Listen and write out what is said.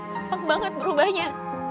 gampang banget berubahnya